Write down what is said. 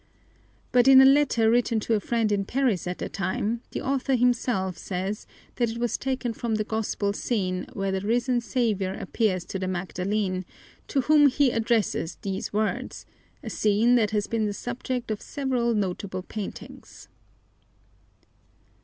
But in a letter written to a friend in Paris at the time, the author himself says that it was taken from the Gospel scene where the risen Savior appears to the Magdalene, to whom He addresses these words, a scene that has been the subject of several notable paintings.